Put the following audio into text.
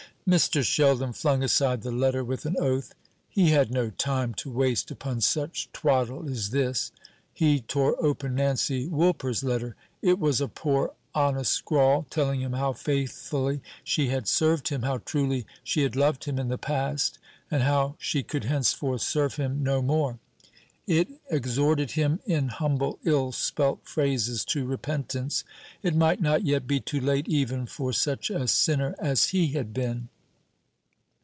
Mr. Sheldon flung aside the letter with an oath. He had no time to waste upon such twaddle as this. He tore open Nancy Woolper's letter. It was a poor honest scrawl, telling him how faithfully she had served him, how truly she had loved him in the past, and how she could henceforth serve him no more. It exhorted him, in humble ill spelt phrases, to repentance. It might not yet be too late even for such a sinner as he had been.